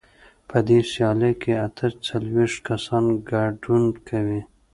په دې سیالۍ کې اته څلوېښت کسان ګډون کوي.